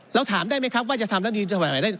เราถามได้ไหมครับว่าจะทำรัฐดีสมัยใหม่ได้